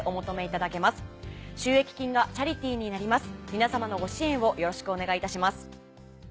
皆さまのご支援をよろしくお願いいたします。